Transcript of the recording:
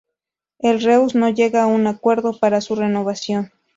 El Reus no llega a un acuerdo para su renovación.